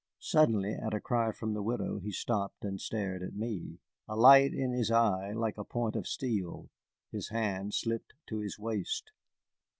Suddenly, at a cry from the widow, he stopped and stared at me, a light in his eye like a point of steel. His hand slipped to his waist.